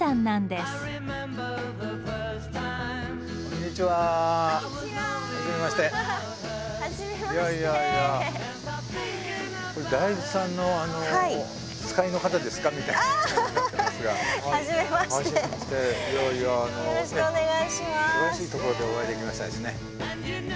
すばらしいところでお会いできましたですね。